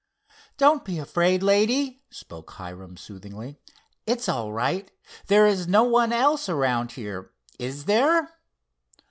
"Don't be afraid, lady," spoke Hiram, soothingly. "It's all right. There is no one else around here; is there?"